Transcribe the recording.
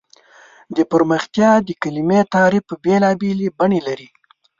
د پرمختیا د کلیمې تعریف بېلابېل بڼې لري.